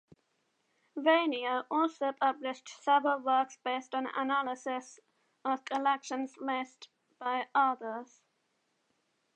Vainio also published several works based on analysis of collections made by others.